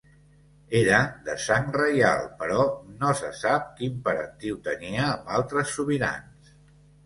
Era de sang reial però no se sap quin parentiu tenia amb altres sobirans.